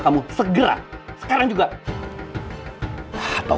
kalo misalnya my prince pergi